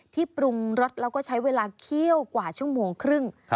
ปรุงรสแล้วก็ใช้เวลาเคี่ยวกว่าชั่วโมงครึ่ง